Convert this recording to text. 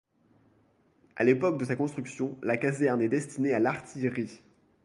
À l’époque de sa construction, la caserne est destinée à l’artillerie.